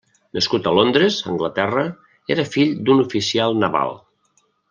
Nascut a Londres, Anglaterra, era fill d'un oficial naval.